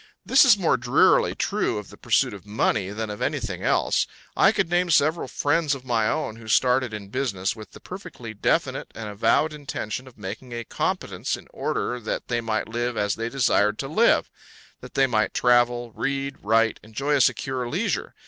This is more drearily true of the pursuit of money than of anything else. I could name several friends of my own who started in business with the perfectly definite and avowed intention of making a competence in order that they might live as they desired to live; that they might travel, read, write, enjoy a secure leisure.